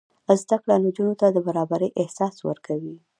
زده کړه نجونو ته د برابرۍ احساس ورکوي.